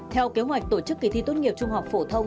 theo kế hoạch tổ chức kỳ thi tốt nghiệp trung học phổ thông